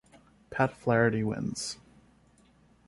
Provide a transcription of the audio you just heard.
Pat Flaherty wins.